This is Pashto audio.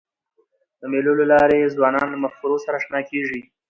د مېلو له لاري ځوانان له مفکورو سره اشنا کېږي.